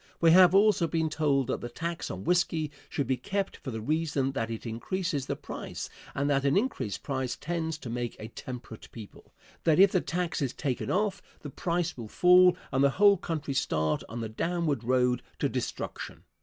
We have also been told that the tax on whisky should be kept for the reason that it increases the price, and that an increased price tends to make a temperate people; that if the tax is taken off, the price will fall and the whole country start on the downward road to destruction.